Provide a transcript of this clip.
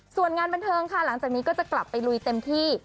ส่วนงานบันเทิงค่ะหลังจากนี้ก็จะกลับไปลุยเต็มที่